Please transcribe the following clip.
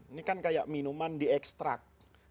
ini kan kayak minuman di ekstrak